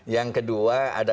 yang kedua ada